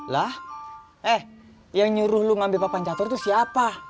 lah eh yang nyuruh lu ngambil papan catur itu siapa